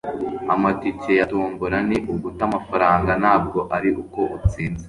amatike ya tombora ni uguta amafaranga. ntabwo ari uko utsinze